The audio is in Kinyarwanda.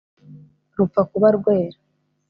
rupfa kuba rwera